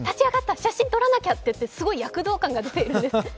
写真撮らなきゃとすごい躍動感が出ているんです。